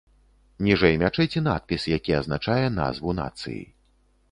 Ніжэй мячэці надпіс, які азначае назву нацыі.